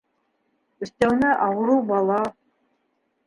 Өҫтәүенә - ауырыу бала!